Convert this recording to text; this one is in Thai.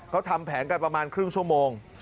เขาทำแผนกันประมาณครึ่งชั่วโมง